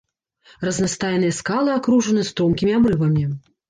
Разнастайныя скалы акружаны стромкімі абрывамі.